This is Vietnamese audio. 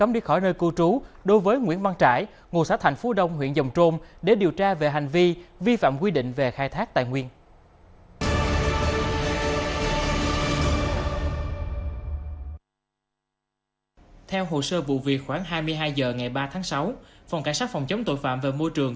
theo hồ sơ vụ việc khoảng hai mươi hai h ngày ba tháng sáu phòng cảnh sát phòng chống tội phạm về môi trường